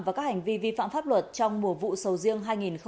và các hành vi vi phạm pháp luật trong mùa vụ sầu riêng hai nghìn hai mươi